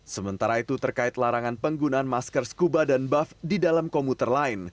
sementara itu terkait larangan penggunaan masker scuba dan buff di dalam komuter lain